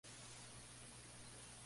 Fue pre impreso con el nombre de "Monogr.